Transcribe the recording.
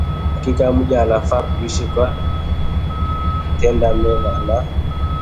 Hakika mja anafaa kuishi kwa kutenda mema na